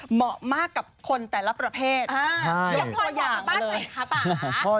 เหมาะมากกับคนแต่ละประเภทยังพออยากมาเลยค่ะป่า